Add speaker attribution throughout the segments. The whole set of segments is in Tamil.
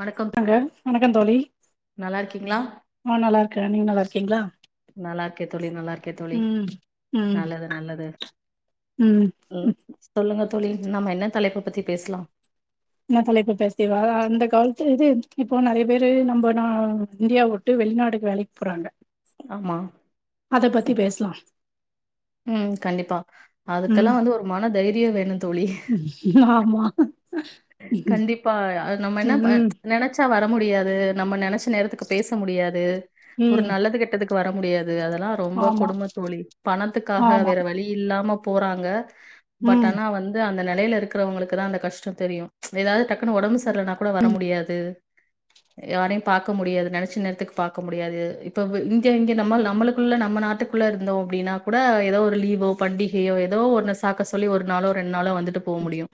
Speaker 1: வணக்கம்
Speaker 2: வாங்க வணக்கம் தோழி
Speaker 1: நல்லா இருக்கீங்களா
Speaker 2: ஆ நல்லா இருக்கேன் நீங்க நல்லா இருக்கீங்களா
Speaker 1: நல்லா இருக்கே தோழி நல்லா இருக்கே தோழி
Speaker 2: ம் ம்
Speaker 1: நல்லது நல்லது
Speaker 2: ம்
Speaker 1: உம்
Speaker 2: ம்.
Speaker 1: சொல்லுங்க தோழி நம்ம என்ன தலைப்பு பத்தி பேசலாம்
Speaker 2: என் தலைப்பு பேசிவா அந்த காலத்து இது இப்போ நிறைய பேரு நம்ம ந இந்தியா விட்டு வெளிநாடுக்கு வேலைக்கு போறாங்க
Speaker 1: ஆமா
Speaker 2: அத பத்தி பேசலா
Speaker 1: ம் கண்டிப்பா
Speaker 2: ம்
Speaker 1: அதுக்கெல்லா வந்து ஒரு மன தைரியம் வேணும் தோழி
Speaker 2: ம். ஆமா
Speaker 1: கண்டிப்பா நம்ம என்ன
Speaker 2: ம்
Speaker 1: நினைச்சா வர முடியாது நம்ம நினைச்ச நேர த்துக்கு பேச முடியாது ஒரு
Speaker 2: ம்
Speaker 1: நல்லது கெட்டத்துக்கு வர முடியாது அதெல்லா ரொம்ப
Speaker 2: ஆமா
Speaker 1: கொடும தோழி பணத்துக்காக
Speaker 2: ஆமா
Speaker 1: வேற வழி இல்லாம போறாங்க பட்
Speaker 2: ம்
Speaker 1: ஆனா வந்து அந்த நெலையில இருக்கிறவங்களுக்கு தா அந்த கஷ்டம் தெரியும் ஏதாவது டக்குன்னு உடம்பு சரியலனா கூட வர முடியாது யாரையு பாக்க முடியாது நெனைச்ச நேரத்துக்கு பாக்க முடியாது இப்ப இங்க இங்க நம்ம நம்மளுக்குள்ள நம்ம நாட்டுக்கு குள்ள இருந்தோம் அப்படின்னா கூட ஏதோ ஒரு லீவோ பண்டிகையோ ஏதோ ஒன்ன சாக்க சொல்லி ஒரு நாளோ ரெண்டு நாளோ வந்து ட்டு போ முடியும்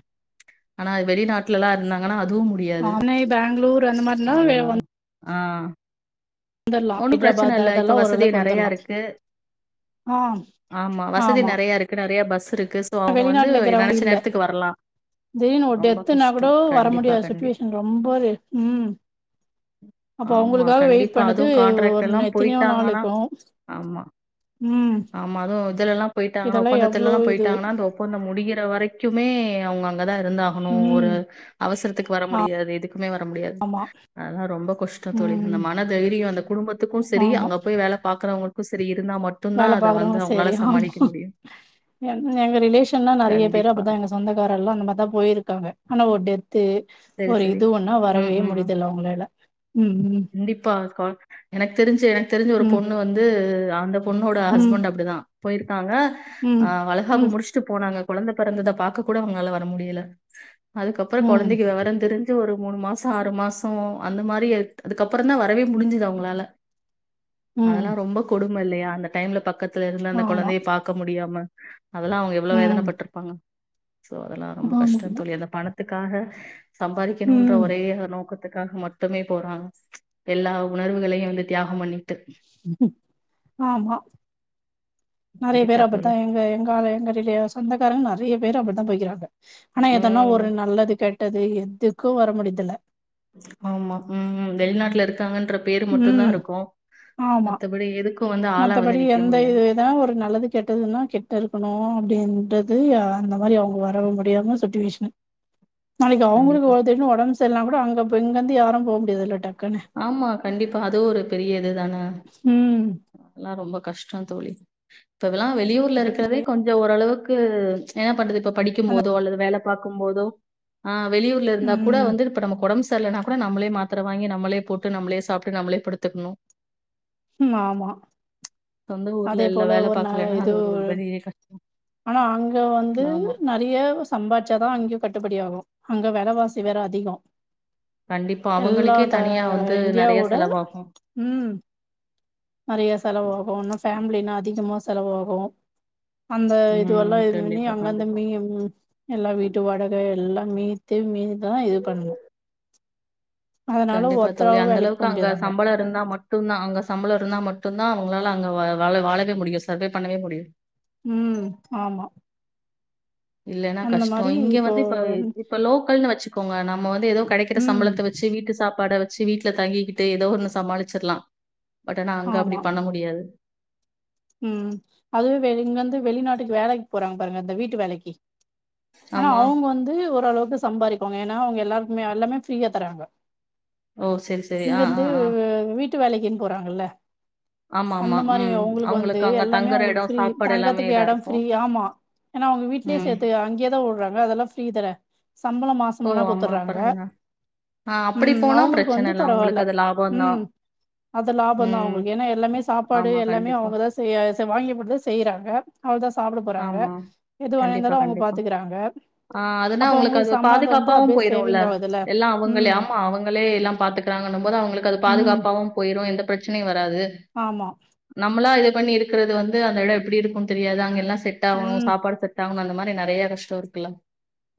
Speaker 1: ஆனா வெளிநாட்டுல எல்லா இருந்தாங்கன்னா அதுவும்
Speaker 2: நானே பெங்களூர் அந்த மாரினா
Speaker 1: ரொ ஆ
Speaker 2: வந்துடலாம்
Speaker 1: ஒன்னும் பிரச்சன
Speaker 2: ஹைதராபாத்
Speaker 1: இல்ல இப்ப
Speaker 2: அதெல்லாம்
Speaker 1: வசதி
Speaker 2: ஓரளவுக்கு
Speaker 1: நெறைய
Speaker 2: வந்துடலாம்
Speaker 1: இருக்கு
Speaker 2: ஆ
Speaker 1: ஆமா வசதி நெறைய இருக்கு நெறைய பஸ் இருக்கு சோ அவங்க வந்து
Speaker 2: வெளிநாட்டுல இருக்கிறவங்க
Speaker 1: நினைச்ச
Speaker 2: இல்ல
Speaker 1: நேரத்துக்கு வரலா
Speaker 2: திடீர்னு ஒரு
Speaker 1: ரொம்ப
Speaker 2: டெத்துனா
Speaker 1: கஷ்டோ
Speaker 2: கூட வர
Speaker 1: கண்டிப்பா
Speaker 2: முடியாது
Speaker 1: கண்டிப்
Speaker 2: சுடிவேஷன் ரொம்பது ம் அப்போ
Speaker 1: ஆமா
Speaker 2: அவங்களுக்காக வெயிட்
Speaker 1: கண்டிப்பா
Speaker 2: பண்து
Speaker 1: அதுவு கான்ட்ராக்ட்
Speaker 2: ஒரு
Speaker 1: எல்லா
Speaker 2: எத்தனையோ நாள்
Speaker 1: போயிட்டாங்கன்னா
Speaker 2: இருக்கனு
Speaker 1: ஆமா
Speaker 2: ம்
Speaker 1: ஆமா அதும் இதுலல்லா போயிட்டாங்கா
Speaker 2: இதெல்லா எவ்ளோ
Speaker 1: ஒப்பந்தத்துலல்லா
Speaker 2: இது
Speaker 1: போயிட்டாங்கனா அந்த ஒப் பந்தம் முடிகிற வரைக்குமே அவங்க அங்கதா இருந்தாகணும்
Speaker 2: ம்
Speaker 1: ஒரு அவசரத்துக்கு வர முடியாது இதுக்கு மே வர முடியாது
Speaker 2: ஆமா
Speaker 1: அதெல்லா ரொம்ப கஷ்டம் தோழி அந்த
Speaker 2: ம்
Speaker 1: மன தைரியம் அந்த குடும்பத்துக்கும் சரி
Speaker 2: ஆமா
Speaker 1: அங்க போய் வேல பா க்கறவங்களுக்கு சரி இருந்தா மட்டு
Speaker 2: வேல பாக்கறோங்களும் சரி ஆ எங்க ரிலேஷன்லா நெறைய பேரு
Speaker 1: கண்டிப்பா
Speaker 2: அப்படிதா எங்க சொந்தக்கார எல்லா அந்த மாரி தா போயிருக்காங்க ஆனா ஒரு டெத் து
Speaker 1: சரி
Speaker 2: ஒரு
Speaker 1: சரி
Speaker 2: இது ஒன்னா
Speaker 1: ம்
Speaker 2: வரவே
Speaker 1: ம் ம்
Speaker 2: முடியுதல அவங்களால ம்
Speaker 1: கண்டிப்பா கா எனக்கு தெரிஞ்சு எனக்கு தெரிஞ்சு ஒரு
Speaker 2: ம்
Speaker 1: பொண்ணு வந்து அந்த பொண்ணோட
Speaker 2: ம்
Speaker 1: ஹஸ்பண்ட் அப்படிதா போயிருக்காங்க
Speaker 2: ம்
Speaker 1: அ வளகாப்பு
Speaker 2: ம்
Speaker 1: முடிச்ட் டு போனாங்க கொழந்த பிறந்தத பாக்க கூட அவங்களால வர முடியல
Speaker 2: ம்
Speaker 1: அதுக்கப்புறம்
Speaker 2: ம்
Speaker 1: கொழந்தைக்கு விவரந் தெரி ஞ்சு ஒரு மூணு மாசம் ஆறு மாசம் அந்த மாதிரி அதுக்கப்புறம் தா வரவே முடிஞ்சது அவங்களால
Speaker 2: ம்
Speaker 1: அதெல்லா ரொம்ப கொடுமை இல்லையா அந்த டைம்ல பக்கத்துல இருந்து அந்த
Speaker 2: ஆமா
Speaker 1: குழந்தைய பாக் க முடியாம அதெல்லா அவங்க எவ்வளவு
Speaker 2: ம்
Speaker 1: வேதனைப் பட்டிருப்பாங்க அதெல்லா ரொம்ப கஷ்டம்
Speaker 2: ஆமாமா
Speaker 1: தோழி அந்த பணத் த்துக்காக சம்பாதிக்கணும்ன்ற
Speaker 2: ம்
Speaker 1: ஒரே நோக்கத்துக்காக மட்டுமே போறாங்க எல்லா உணர்வுகளையு வந்து தியாகம் பண்ணிட்டு
Speaker 2: ஆமா நெறைய
Speaker 1: கண்டிப்பா
Speaker 2: பேர் அப்டிதா
Speaker 1: தோழி
Speaker 2: எங்க எங்க ஆளு எங்க ரிலே சொந்தக்காரங்க நெறைய பேர் அப்டித்தா போய்கிறாங்க ஆனா எதனா
Speaker 1: ம்
Speaker 2: ஒரு நல்லது கெட்டது எதுக்கு வர முடியுதுல்ல
Speaker 1: ஆமா ம் வெளிநாட்ல இருக்காங்கன்ற பேரு மட்டுந்தா
Speaker 2: ம்
Speaker 1: இருக்கு
Speaker 2: ஆமா
Speaker 1: மத்த படி எதுக்கு வந்து ஆளா வந்து நிக்க முடியாது
Speaker 2: எதனா ஒரு நல்லது கெட்டதுன்னா கிட்ட இருக்கணு அப்டின்றது அந்த மாரி அவுங்க வரவே முடியாம சுச்சுவேஷன் நாளைக்கி
Speaker 1: கண்டிப்பா
Speaker 2: அவுங்களுக்கு ஒரு திடீர்னு ஒடம்பு சரில்லன்னா கூட அங்க இங்கந்து யாரு போ முடியாதுல்ல டக்
Speaker 1: ஆமா கண்டிப்பா அதுவு ஒரு பெரிய இது தான
Speaker 2: ம்
Speaker 1: அதெல்லா ரொம்ப கஷ்டோ தோழி இப்ப இதெல்லா வெளியூர்ல இருக்றதே கொஞ் சோ ஓரளவுக்கு என்ன பண்றது இப்ப படிக்கும்
Speaker 2: அந்த
Speaker 1: போதோ அல்லது வேலை பாக்கும் போதோ ஆ வெளியூர்ல இருந்தா கூட
Speaker 2: ம்
Speaker 1: வந்து இப்ப நமக்கு ஒடம்பு சரில்லன்னா கூட நம்மளே மாத்தர வாங்கி நம்மளே போட்டு நம்மளே சாப்ட்டு நம்மளே படுத்துக்கணு
Speaker 2: ம் ஆமா
Speaker 1: சொந்த ஊர்ல
Speaker 2: அதே
Speaker 1: இல்ல
Speaker 2: போல
Speaker 1: வேலை
Speaker 2: ஒரு நா
Speaker 1: பார்க்கலன்னா,
Speaker 2: எதோ
Speaker 1: அது ஒரு பெரிய கஷ்டம்.
Speaker 2: ஆனா அங்க வந்து
Speaker 1: ஆமா.
Speaker 2: நெறையா சம்பாரிச்சாதா அங்கயு கட்டுப்படி ஆகு அங்க வெலவாசி வேற அதிகோ
Speaker 1: கண்டிப்பா.
Speaker 2: எல்லா
Speaker 1: அவங்களுக்கே
Speaker 2: த
Speaker 1: தனியா வந்து நெறைய
Speaker 2: இந்தியாவோட
Speaker 1: செலவாகும்.
Speaker 2: ம் நெறையா செலவாகு இன்னா ஃபேமிலின்னா அதிகமா செலவாகு அந்த இதுவல்லா
Speaker 1: ம்.
Speaker 2: இது பண்ணி
Speaker 1: கண்டிப்பா,
Speaker 2: அங்கருந்த
Speaker 1: கண்டிப்பா.
Speaker 2: மீ எல்லா வீட்டு வாடகை எல்லா மீத்து மீந்துதா இது பண்ணணு அதனால
Speaker 1: கண்டிப்பா தோழி
Speaker 2: ஒத்தராவு வேலைக்கு போ
Speaker 1: அந்தளவுக்கு அங்க
Speaker 2: முடியாது
Speaker 1: சம்பள இருந்தா மட் டுந்தா அங்க சம்பளம் இருந்தா மட்டுந்தா அவங்களால அங்க வாழ வாழவே முடியு சர்வே பண்ணவே முடியு
Speaker 2: ம் ஆமா
Speaker 1: இல்லைன்னா
Speaker 2: அந்த
Speaker 1: கஷ்டோ
Speaker 2: மாரி
Speaker 1: இங்க
Speaker 2: இப்போ
Speaker 1: வந்து இப்ப இப்ப லோக்கல்னு வச்சுக்கோங்க நம்ம வந்து ஏதோ கெடைக்கிற
Speaker 2: ம்
Speaker 1: சம்பளத்த வச் சி வீட்டு சாப்பாட வச் சி வீட்ல தங்கிக்கிட்டு ஏதோ ஒண்ணு சமாளிச்சிறலா பட் ஆனா அங்க
Speaker 2: ஆமா
Speaker 1: அப்டி பண்ண முடியாது
Speaker 2: ம் அதுவு வெளி இங்கந்து வெளிநாட்டுக்கு வேலைக்கி போறாங்க பாருங்க இந்த வீட்டு வேலைக்கி ஆனா
Speaker 1: ஆமா.
Speaker 2: அவுங்க வந்து ஓரளவுக்கு சம்பாரிப்பாங்க ஏன்னா அவுங்க எல்லாருக்குமே எல்லாமே ஃப்ரீயா தர்றாங்க
Speaker 1: ஓ! சரி, சரி. ஆ, ஆ,
Speaker 2: இங்கருந்து
Speaker 1: ஆ.
Speaker 2: வீட்டு வேலைக்குன்னு போறாங்கல்ல
Speaker 1: ஆமா ஆமா ம்
Speaker 2: இப்ப வந்து
Speaker 1: அவங்களுக்கு அங்க
Speaker 2: எல்லாமே
Speaker 1: தங்குற
Speaker 2: அவுங்களுக்கு
Speaker 1: இடம்,
Speaker 2: ஃப்ரீ
Speaker 1: சாப்பாடு எல்லாமே
Speaker 2: தங்கத்துக்கு
Speaker 1: இதா
Speaker 2: எடோ ஃப்ரீ
Speaker 1: இருக்கும்.
Speaker 2: ஆமா ஏன்னா அவுங்க வீட்டுலயே
Speaker 1: ம்.
Speaker 2: செய்யதுக்கு அங்கயேதா வுட்றாங்க அதெல்லா ஃப்ரீ தான சம்பளோ மா
Speaker 1: ஓ!
Speaker 2: சமான
Speaker 1: ஆமா.
Speaker 2: குடுத்துர்றாங்க
Speaker 1: அப்புறம் என்ன? ஆ அப்டி
Speaker 2: ம்
Speaker 1: போனா
Speaker 2: அவுங்களுக்கு
Speaker 1: பிரச்சன
Speaker 2: வந்து
Speaker 1: இல்ல.
Speaker 2: பரவாயில்ல
Speaker 1: அவங்களுக்கு அது லாபம் தான்.
Speaker 2: ம் அது லாபந்தா
Speaker 1: ம்.
Speaker 2: அவுங்களுக்கு ஏன்னா எல்லாமே சாப்பாடு
Speaker 1: ஆமா.
Speaker 2: எல்லாமே
Speaker 1: கண்டிப்பா.
Speaker 2: அவுங்கதா செய் வாங்கி குடுத்தா செய்றாங்க அவ்ளதா சாப்ட போறாங்க
Speaker 1: ஆமா.
Speaker 2: எதுவா
Speaker 1: கண்டிப்பா
Speaker 2: இருந்தாலு அவுங்க
Speaker 1: கண்டிப்பா.
Speaker 2: பாத்துக்குறாங்க
Speaker 1: ஆ அதுனா அவுங்களுக்கு அது பாதுகாப்பாவு போயிருல்ல
Speaker 2: சேவிங் ஆகுதுல்ல
Speaker 1: எல்லா அவங்களே
Speaker 2: ம்
Speaker 1: ஆமா அவுங்களே எல்லா பாத்து க்கிறாங்கன்னும் போது அவுங்களுக்கு அது
Speaker 2: ம்
Speaker 1: பாதுகாப்பாவு போயிரு எந்த பிரச்சனையு வராது
Speaker 2: ஆமா
Speaker 1: நம்மளா இது பண்ணி இருக்குறது வந்து அந்த எடோ எப்டி இருக்குன்னு தெரியாது அங்க எல்லா செட் ஆகணு
Speaker 2: ம்
Speaker 1: சாப்பாடு செட் ஆவணு அந்த மாதிரி நெறையா கஷ்டோ இருக்குல்ல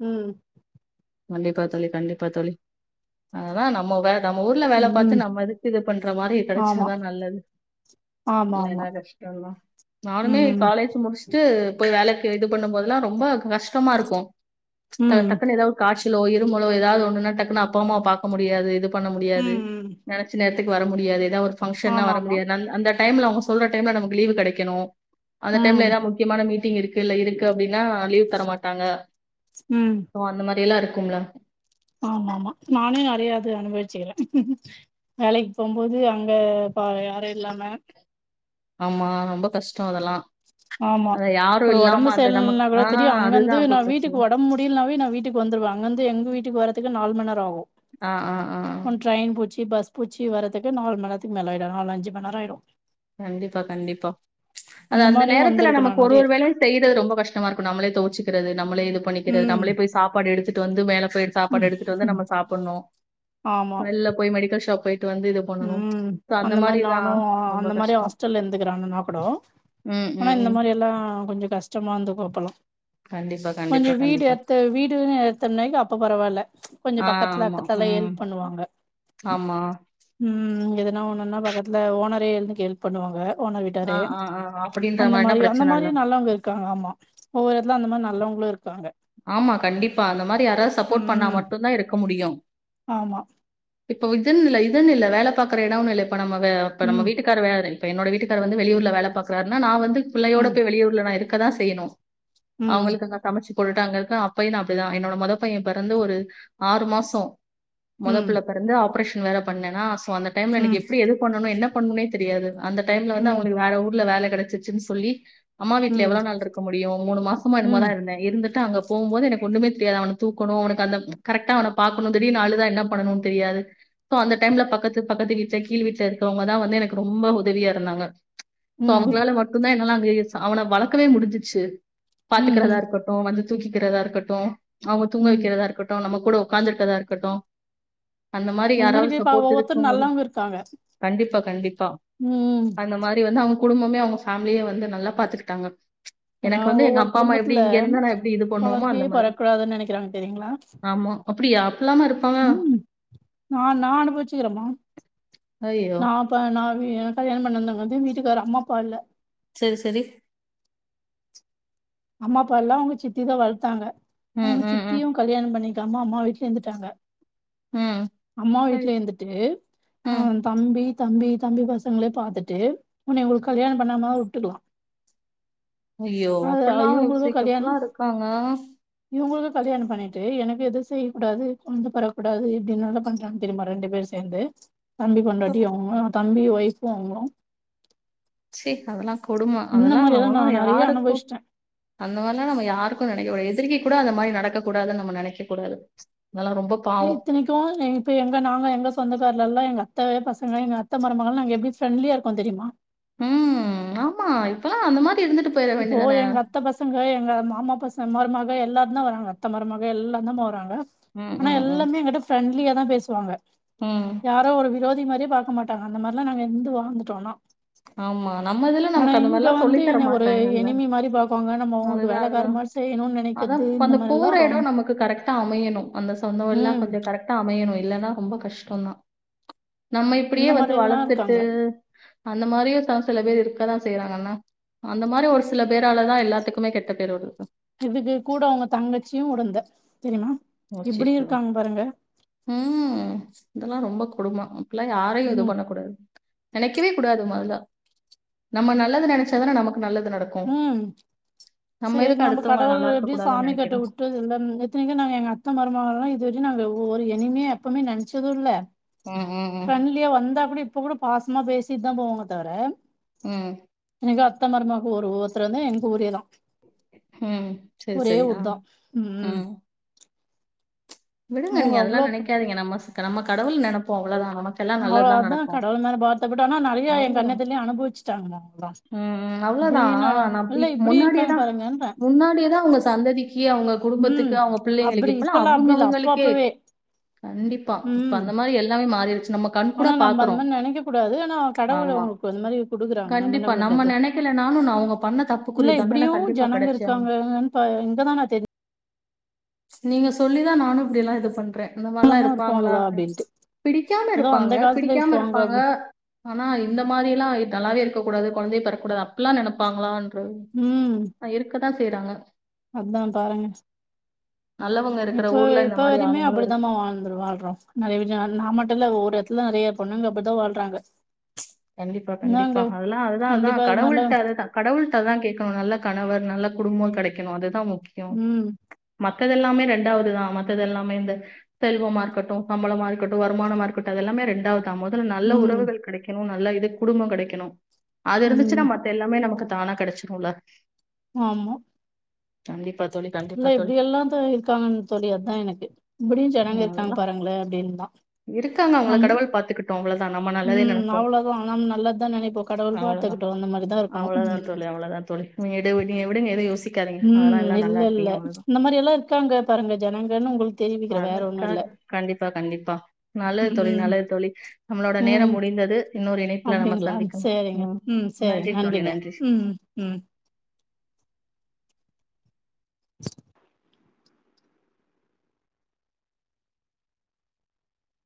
Speaker 2: ம்
Speaker 1: கண்டிப்பா தோழி கண்டிப்பா தோழி அததா நம்ம வே நம்ம ஊர்ல வேல
Speaker 2: ம்
Speaker 1: பாத்து நம்ம இதுக்கு இது பண்ற மாரி
Speaker 2: ஆமா
Speaker 1: கெடைச்சாதா நல்லது
Speaker 2: ஆமா ஆமா
Speaker 1: இல்லன்னா கஷ்டந்தா நானுமே
Speaker 2: ம்
Speaker 1: காலேஜ் முடிச் சிட்டு போய் வேலைக்கி ரெடி பண்ணும் போதெல்லா ரொம்ப கஷ்டமா இருக்கு
Speaker 2: ம்
Speaker 1: டக்குன்னு ஏதாவது ஒரு கா ச்சலோ இருமலோ ஏதாவது ஒண்ணுன்னா டக்குன்னு அப்பா அம்மாவ பாக்க முடியாது இது பண்ண முடியாது
Speaker 2: ம் ம்
Speaker 1: நெனச் ச நேரத்துக்கு வர முடியாது ஏதா ஒரு ஃபங்க்ஷன்னா
Speaker 2: ஆமா
Speaker 1: வர
Speaker 2: ஆமா
Speaker 1: முடியாது அந்த டைம்ல அவுங்க சொல்ற டைம்ல நமக்கு லீவு கெடைக்கணு அந்த
Speaker 2: ம்
Speaker 1: டைம்ல ஏதாவது முக்கியமான மீட்டிங் இருக்கு இல்ல இருக்கு அப்படின்னா லிவு தர மாட்டாங்க
Speaker 2: ம்
Speaker 1: சோ அந்த மாறி எல்லாம் இருக்கும்ல
Speaker 2: ஆமா ஆமா நானே நிறையா அது அனுபவிச்சக்கிறேன் வேலைக்கு போகும்போது அங்க பா யாரும் இல்லாம
Speaker 1: ஆமா ரொம்ப கஷ்டம் அதெல்லாம்
Speaker 2: ஆமா
Speaker 1: அத யாரும்
Speaker 2: ஒரு உடம்பு
Speaker 1: இல்லாம அந்த நமக்கு
Speaker 2: செயல்னா கூட
Speaker 1: ஆ
Speaker 2: தெரியும் அங்க வந்து
Speaker 1: அதுதான் அப்ப
Speaker 2: நான்
Speaker 1: பிரச்சனை
Speaker 2: வீட்டுக்கு உடம்பு முடியலனாவே நான் வீட்டு வட்டுக்கு வந்துடுவாங்க அங்க இருந்து எங்க வீட்டுக்கு வரக்கு நாலு மணி நேரம் ஆகும்
Speaker 1: ஆ ஆ ஆ
Speaker 2: டரெயின் புச்சி பஸ் புச்சி வரதுக்கு நாலு மணி நேரத்துக்கு மேல ஆயிட நாலஞ்ச மணி நேர ஆயிடும்
Speaker 1: கண்டிப்பா கண்டிப்பா அது அந்த
Speaker 2: மாரியு
Speaker 1: நேரத்துல
Speaker 2: வந்திருக்கு நா
Speaker 1: நமக்கு ஒரு
Speaker 2: நெறைய
Speaker 1: ஒரு வேளையும் செய்யறது ரொம்ப கஷ்டமா இருக்கும் நம்மளே தோச்சுக்கறது நம்மளே இது பண்ணிக்கிறது
Speaker 2: ம்
Speaker 1: நம்மளேய் சாப்பாடு எடுத்துட்டு வந்து மேல போய் சாப்பாடு எடுத்துட்டு வந்து நம்ம சாப்பிடணும்
Speaker 2: ஆமா
Speaker 1: வெல்ல போய் மெடிக்கல் ஷாப் போயிட்டு வந்து இத
Speaker 2: ம் அந்த மாறி நானும்
Speaker 1: ரொம்ப
Speaker 2: அந்த மாறி
Speaker 1: கஷ்டம்.
Speaker 2: ஹாஸ்டல்ல இந்துக்கிறான்னா கூட
Speaker 1: ம்,
Speaker 2: ஆனா
Speaker 1: ம்,
Speaker 2: இந்த
Speaker 1: ம்.
Speaker 2: மாறி ல்லாம் கொஞ்சம் கஷ்டமாந்துக்கு அப்பல்லா
Speaker 1: கண்டிப்பா கண்டிப்பா,
Speaker 2: கொஞ்சம் வீடு
Speaker 1: கண்டிப்பா.
Speaker 2: எத்து வீடுன் எடுத்தம்னக் அப்ப பரவால்ல
Speaker 1: ஆ,
Speaker 2: கொஞ்சம் பக்கத்துல
Speaker 1: ஆமா.
Speaker 2: அக்கத்தல்லாம்
Speaker 1: ம்.
Speaker 2: ஹெல்ப் பண்ணுவாங்க
Speaker 1: ஆமா
Speaker 2: ம் எதுனா ஒண்ணுன்னா பக்கத்துல ஓனரே எழுந்து கெல்ப் பண்ணுவாங்க ஓனர்
Speaker 1: ஆ,
Speaker 2: விட்டாரே
Speaker 1: ஆ, ஆ. அப்படின்ற
Speaker 2: அந்த
Speaker 1: மாரினா
Speaker 2: மாறி அந்த
Speaker 1: பிரச்சன இல்ல.
Speaker 2: மாறியு நல்லவுங்க இருக்காங்க ஆமா ஒவ்வொரு எடத்துல அந்தமாறி நல்லவுங்களும் இருக்காங்க
Speaker 1: ஆமா கண்டிப்பா அந்த மாறி யாராவது சப்போட் பண்ணா
Speaker 2: ம்
Speaker 1: மட்டுந்தான் இருக்க முடியும்
Speaker 2: ஆமா
Speaker 1: இப்போ இதுன்னுல இதுன்னில்ல வேல பாக்குற எடம்னில இப்ப நம்ம இப்ப நம்ம
Speaker 2: ம்
Speaker 1: வீட்டுக் காரு வராரு இப்ப என்னோட வீட்டுக்காரு வந்து வெளியூர்ல வேல பாக்குறார்னா நா வந்து பிள்ளையோட
Speaker 2: ம்
Speaker 1: போய் வெளியூர்ல நா இருக்கதான் செய்யுணு
Speaker 2: ம்
Speaker 1: அவுங்குளுக்கு தா சமச்சு போட்டுட்டங்கிருக்கன் அப்பையு நா அப்பிடிதான் என்னோட மொத பையன் பெறந்து ஒரு ஆறு மாசம்
Speaker 2: ம்
Speaker 1: மொதப்பிள்ள பெறந்து ஆப்ரேஷன் வேற பண்ணேனா சோ அந்த டைம்ல எனக்கு
Speaker 2: ம்
Speaker 1: எப்பிடி எது பண்ணுனும என்ன பண்ணனுனே தெரியாது அந்த டைம்ல வந்து
Speaker 2: ம்
Speaker 1: அவுங்குளுக்கு வேற ஊர்ல வேல கெடச்சிச்சுன்னு சொல்லி அம்மா வீட்ல
Speaker 2: ம்
Speaker 1: எவ்ளோ நாள்ருக்க முடியும் மூணு மாசமோ
Speaker 2: ம்
Speaker 1: என்னமோதாருந்தன் இருந்துட் டு அங்க போம்போது எனக்கு ஒண்ணுமே தெரியாது அவன தூக்குணும் அவனுக்கந்த கரெக்ட்டா அவன பாக்கணும் திடீர்னு அழுதா என்ன பண்ணனு தெரியாது சோ அந்த டைம்ல பக்கத்து பக்கத்து வீட்ல கீழ் வீட்ல இருக்கவங்கதான் வந்து எனக்கு ரொம்ப உதவியாருந்தாங்க சோ
Speaker 2: ம்
Speaker 1: அவுங்களால மட்டுந்தான் என்னால அங்க அவன வளக்கவே முடிஞ்சிச்சு
Speaker 2: ம் ம்
Speaker 1: பாத்துக்குறதாருக்கட்டும் வந்து தூக்கிக்கிறதாருக்கட்டும் அவுங்க தூங்க
Speaker 2: ம்
Speaker 1: வெக்கிறதாருக்கட்டும் நம்மக்கூட ஒக்காந்துருக்கிறதாருக்கட்டும் அந்தமாறி
Speaker 2: அந்த மாரி
Speaker 1: யாராவது
Speaker 2: இப்ப ஒவ்வொருத்தரு
Speaker 1: சப்போட்டுருக்கும் பொழுது
Speaker 2: நல்லவங்க இருக்காங்க
Speaker 1: கண்டிப்பா கண்டிப்பா
Speaker 2: ம்
Speaker 1: அந்த மாறி வந்து அவுங்க குடும்பமே அவுங்க ஃபேமிலியே வந்து நல்லா பாத்துகிட்டாங்க
Speaker 2: ஏன்னா
Speaker 1: எனக்கு வந்து
Speaker 2: ஒவ்வொரு
Speaker 1: எங்கப்பாம்மா எப்டி
Speaker 2: குடும்பத்துல
Speaker 1: இங்கருந்தா நா
Speaker 2: கொழந்தையே பொறக்கூடாதுன் நெனக்கிறாங்க தெரிங்ளா
Speaker 1: அம்மு அப்பிடியா அப்புல்லாமாருக்
Speaker 2: ம் நா நா அனுபவிச்சகிறமா
Speaker 1: ஐயோ
Speaker 2: நா அப்ப நா வீ நா கல்யாண பண்ணதாங்காட்டியும் வீட்டுக்காரு அம்மாப்பால்ல
Speaker 1: செரி செரி
Speaker 2: அம்மாப்பால்ல அவுங்க சித்திதான் வளத்தாங்க
Speaker 1: ம்
Speaker 2: அவுங்க
Speaker 1: ம் ம்
Speaker 2: சித்தியும் கல்யாணம் பண்ணிக்காம அம்மா வீட்லேந்துட்டாங்க
Speaker 1: ம்
Speaker 2: அம்மா
Speaker 1: சரி
Speaker 2: வீட்லேந்துட்டு அ
Speaker 1: ம்
Speaker 2: தம்பி தம்பி தம்பி பசங்களே பாத்துட்டு ஒன்னைய ஒரு கல்யாணம் பண்ணாம உட்டுர்லா
Speaker 1: ஐயோ அப்புட்ல்லா யோசிக் அப்புட்ல்லா இருக்காங்க
Speaker 2: இவுங்குளுக்கு கல்யாணம் பண்ணிட்டு எனக்கெது செய்யக்கூடாது கொழந்த பெறக்கூடாது இப்டி என்ன வேனா பண்றாங் தெரியுமா ரெண்டு பேரு சேந் ந்து தம்பி பொண்டாட்டி அவுங்குளு தம்பி ஒய்ஃபு அவுங்குளு
Speaker 1: ச்சீ அதலா கொடும
Speaker 2: இந்த
Speaker 1: அதலா
Speaker 2: மாரி எல்லா நா
Speaker 1: நம்மளா
Speaker 2: நெறைய
Speaker 1: யாருக்கு
Speaker 2: அனுபவிச்சுட்டே
Speaker 1: அந்த மார்லா நம்ம யாருக்கு நெனைக் கூடாது எதிரிக்கிக்கூட அந்த மாரி நடக்கக்கூடாதுன் நம்ம நெனைக்கக் கூடாது அதலா ரொம்பப்
Speaker 2: ஏ இத்தனைக் கு இப்ப எங்க நாங்க எங்க சொந்தக்காரலல்லா எங்கத்த பசங்க எங்கத்த மருமகள்லா நாங் எப்டி ஃப்ரெண்ட்லியாருக்கோந் தெரியுமா
Speaker 1: ம் ஆமா இப்பலா அந்த மாரி இருந்துட்டு போயிட
Speaker 2: இப்போ
Speaker 1: வேண்டியதான
Speaker 2: எங்கத் த பசங்க எங்க மாமா பசங் மருமக எல்லாருந்தா வராங்க அத்த மருமக எல்லாந்தமா வராங்க
Speaker 1: ம்
Speaker 2: ஆனா
Speaker 1: ம் ம்
Speaker 2: எல்லாமே எங்கிட்ட ஃப்ரெண்ட்லியாதா பேசுவாங்க
Speaker 1: ம்
Speaker 2: யாரோ ஒரு விரோதி மாரியே பாக்க மாட்டாங்க அந்த மாரிலா நாங்க இந்து வாழ்ந்துட்டோனா
Speaker 1: ஆமா நம்ம இதுல நமக்கு அந்த மாரிலா சொல்லித்தரமாட்
Speaker 2: க எனிமி மாரி பாப்பாங்க
Speaker 1: அதுதா அதுதா அதா
Speaker 2: இந்த
Speaker 1: அந்த
Speaker 2: மாரிலா
Speaker 1: போர எடோ
Speaker 2: ரொம்
Speaker 1: நமக்கு கரெக்டா அமையணு அந்த சொந்தொ எல்லா
Speaker 2: ம்
Speaker 1: கொஞ்சொ கரெக்ட் டா அமையணு இல்லன்னா ரொம்ப கஷ்டொந்தா நம்ம இப்டியே
Speaker 2: இந்த
Speaker 1: வந்து
Speaker 2: மாரி எல்லா
Speaker 1: வளத்துட்டு
Speaker 2: இருக்காங்க
Speaker 1: அந்த மாரியு ச சில பேரு இருக்கதா செய்றாங்க என்ன அந்த மாரி ஒரு சில பேராலதா எல்லா த்துகுமே கெட்ட பேரு வருது [unintelligible]
Speaker 2: இதுக்கு கூட அவுங்க தங்கச்சியு உடந்த தெரிமா
Speaker 1: ஓ அச்செச்சோ ம் இதெல்லா ரொம்ப கொடும ல்லா யாரயு எது
Speaker 2: ம்
Speaker 1: பண்ணக்கூடாது நெனைக்கவே கூடாது மொதல்ல நம்ம நல்லது நெனச்சா தான நமக்கு நல்லது நடக்
Speaker 2: ம் சேரி நம்ப
Speaker 1: அடுத்தவங்கள
Speaker 2: கடவுள்
Speaker 1: நல்லா
Speaker 2: எப்டி
Speaker 1: இருக்கக்கூடாதுன்னு
Speaker 2: சாமி கெட்ட
Speaker 1: நினைக்கணும்.
Speaker 2: விட்ரதுல்ல இத்தனைக்கு நாங்க எங்க அத்த மரும வல்லா இதுவரயு நாங்க ஒரு எனிமியா எப்பவுமே நனச்சது இல்ல
Speaker 1: ம் ம் ம்.
Speaker 2: ஃப்ரெண்ட்லியா வந்தா கூட இப்ப கூட பாசமா பேசிட்டுதா போவாங்க தவர
Speaker 1: ம்
Speaker 2: எனக்கு அத்தமருமகு ஒரு ஒருத்தர் வந்து எங்க ஊரேதா
Speaker 1: ம். சரி,
Speaker 2: ஒரே
Speaker 1: சரி. ஆ,
Speaker 2: ஊர் தா ம்
Speaker 1: விடுங்க
Speaker 2: அவங்க
Speaker 1: நீங்க அதெல்லா
Speaker 2: அவ்ளோ
Speaker 1: நெனைக்காதீங்க நம்ம நம்ம கடவுள் நெனப்போ அவ்ளோதா நமக்கு
Speaker 2: அவ்ளோதா கடவுள் மேல பாரத்த போட்டு ஆனா நெறய எ கண்
Speaker 1: அவ்வளதான்.
Speaker 2: எதுர்லே அனுபவிச்சுட்டாங்க அவ்ங்க
Speaker 1: ம் ம் அவ்ளோதா நா இப்
Speaker 2: இப்டி இருக்காங்க
Speaker 1: முன்னாடிதா
Speaker 2: பாருங்கன்ற
Speaker 1: முன்னாடியேதா அவுங்க சந்ததி தி அவுங்க
Speaker 2: ம்
Speaker 1: குடும்பத்துக்கு அவுங்க
Speaker 2: அப்டி
Speaker 1: பிள்ளைங்களுக்கு இப்பெல்லா
Speaker 2: இப்பல்லா அப்டி இல்ல அப்ப
Speaker 1: அவுங்கவுங்ளுக்கே
Speaker 2: அப்பவே
Speaker 1: கண்டிப்பா இப்ப
Speaker 2: ம்
Speaker 1: அந்த மாரி எல்லாமே மாறிருச்சு நம்ம கண் கூடா
Speaker 2: ஆனா நம்ம
Speaker 1: பாக்குறோ
Speaker 2: அந்த மாரி நெனைக்க கூடாது ஆனா கடவுள்
Speaker 1: ஆமா
Speaker 2: அவங்களுக்கு அந்த மாரி குடுக்குறாங்க என்ன
Speaker 1: கண்டிப்பா நம்ம
Speaker 2: பண்றது
Speaker 1: நெனைக்கலனாலு நா அவுங்க பண்ண
Speaker 2: இல்ல
Speaker 1: தப்புக்குரிய தண்டன
Speaker 2: இப்டியும்
Speaker 1: கண்டிப்பா
Speaker 2: ஜனங்க
Speaker 1: கெடச்சே ஆவனு
Speaker 2: இருக்காங்கன்னு பா இங்கதா நா
Speaker 1: நீங்க சொல்லிதா நானு இப்டியெல்லா இது பண்றே அந்த மாரிலா
Speaker 2: தெரிஞ்சுக்காம
Speaker 1: இருப்பாங்களா
Speaker 2: இருக்குவாங்களா அப்டின்ட்டு
Speaker 1: பிடிக்காம
Speaker 2: ஏதோ அந்த
Speaker 1: இருப்பாங்க
Speaker 2: காலத்துல
Speaker 1: பிடிக்காம
Speaker 2: இருக்குவாங்க
Speaker 1: இருப்பாங்க
Speaker 2: அப்டி
Speaker 1: ஆனா இந்த மாரிலா நல்லாவே இருக்க கூடாது கொழந்தயெ பெறக்ககூடாது அப்டில்லா நெனப்பாங்ளான்
Speaker 2: ம்
Speaker 1: [unintelligible] இருக்கதா செய்றாங்க
Speaker 2: அதா பாருங்க
Speaker 1: நல்லவுங்க
Speaker 2: இப்ப இப்ப வரையுமே அப்டிதாமா வாழ்ந்துருகொ வாழ்றோ நெறய வீட்ல நா மட்டுல்ல ஒர் இடத்துல நெறய பொண்ணுங்க அப்டிதா வாழ்றாங்க
Speaker 1: கண்டிப்பா கண்டிப்பா
Speaker 2: இந்தாங்க
Speaker 1: அதுல்லா அதுதா அதா
Speaker 2: கண்டிப்பா இது மாரிலா
Speaker 1: கடவுள்ட்ட அதுதா கடவுள்ட்ட அதா கேக்கணு நல்ல கணவர் நல்ல குடும்போ கெடைக்கணு அதுதா முக்கியோ
Speaker 2: ம்
Speaker 1: மத்ததெல்லாமே ரெண்டாவதுதா மத்ததெல்லாமே இந்த செல்வமா இருக்கட்டு சம்பளமா இருக்கட்டு வருமானமா இருக்கட்டு அது எல்லாமெ ரெண்டாவது தா மொதல்ல நல்ல
Speaker 2: ம்
Speaker 1: உறவுகள் கெடைக்கணு நல்ல இது குடும்போ கெடைக்கணு அது
Speaker 2: ம்
Speaker 1: இருந்துச்சுன்னா மத் எல்லாமே நமக்கு தானா கெடச்சிருல
Speaker 2: ஆமா
Speaker 1: கண்டிப்பா தோழி கண்டிப்பா
Speaker 2: இல்ல இப்டி
Speaker 1: தோழி
Speaker 2: எல்லா தோழி இருக்காங்கன் தோழி அதா எனக்கு இப்டியு ஜனங்க
Speaker 1: உம் அதெல்லாம்
Speaker 2: இருக்காங்க பாருங்கள அப்டின்தா
Speaker 1: இருக்காங்க அவ்ங்கள கடவுள் பாத்துக்கட்டு அவ்ளொதா நம்ம நல்லதே நெனப்
Speaker 2: அவ்ளொதா நாம் நல்லதா நெனைப்போ கடவுள் பாத்துக்கட்டு அந்த மாரிதா இருக்கணு ம்
Speaker 1: அவ்ளொதா தோழி வீடு விடிய விடுங்க எது யோசி
Speaker 2: ம் இல்ல இல்ல இந்த மாரி எல்லா இருக்காங்க பாருங்க ஜனங்கன் உங்ளுக்
Speaker 1: அத கணக் கண்டிப்பா கண்டிப்பா நல்லது
Speaker 2: ம்
Speaker 1: தோழி
Speaker 2: ம்
Speaker 1: நல்லது தோழி நம்மளோட
Speaker 2: ம்
Speaker 1: நேரம் முடிந்தது இன்னொரு இணைப்புல நம்ம
Speaker 2: அப்டிங்களா
Speaker 1: சந்திக்கலா
Speaker 2: சரிங்க
Speaker 1: ஆ
Speaker 2: ம் சரிங்க
Speaker 1: நன்றி தோழி
Speaker 2: நன்றிங்க
Speaker 1: நன்றி
Speaker 2: ம் ம்